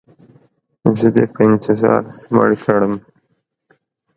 زه دې په انتظار مړ کړم.